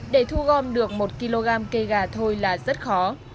để thu gom được một kg cây gà thôi là rất khó